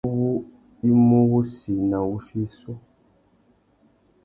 Wanda uwú i mú wussi nà wuchiô issú.